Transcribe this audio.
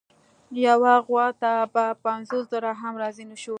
یوې غوا ته په پنځوس زره هم راضي نه شو.